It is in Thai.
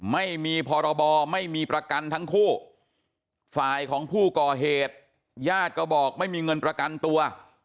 ไม่มีพรบไม่มีประกันทั้งคู่ฝ่ายของผู้ก่อเหตุญาติก็บอกไม่มีเงินประกันตัว